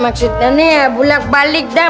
maksud ane ya bulat balik dah